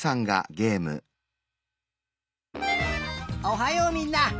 おはようみんな。